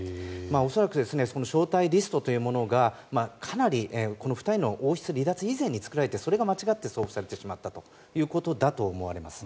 恐らくその招待リストというものがかなりこの２人の王室離脱以前に作られてそれが間違って送付されてしまったということだと思われます。